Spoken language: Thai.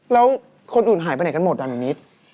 แล้วคนอื่นหายไปไหนกันหมดด้านแบบนี้